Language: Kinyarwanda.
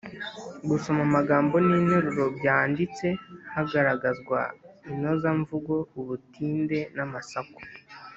Gusoma amagambo n’interuro byanditse hagaragazwa Inozamvugo Ubutinde n’amasaku